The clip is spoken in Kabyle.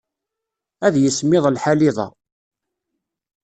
Ad yismiḍ lḥal iḍ-a.